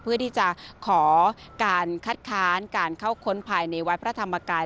เพื่อที่จะขอการคัดค้านการเข้าค้นภายในวัดพระธรรมกาย